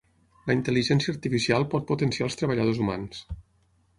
La intel·ligència artificial pot potenciar els treballadors humans.